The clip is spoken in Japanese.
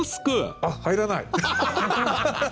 あっ入らない！